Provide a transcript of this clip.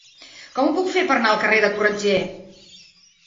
Com ho puc fer per anar al carrer de Corretger?